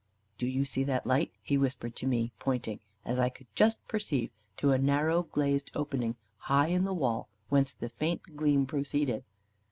"Do you see that light?" he whispered to me, pointing, as I could just perceive, to a narrow glazed opening high in the wall, whence the faint gleam proceeded.